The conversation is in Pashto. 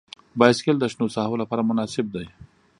بایسکل د شنو ساحو لپاره مناسب دی.